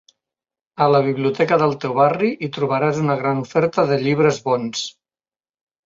A la Biblioteca del teu barri hi trobaràs una gran oferta de llibres bons.